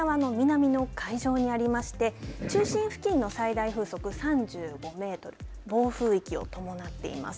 現在沖縄の南の海上にありまして中心付近の最大風速３５メートル暴風域を伴っています。